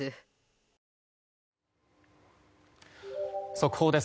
速報です。